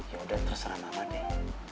ya udah terserah lama deh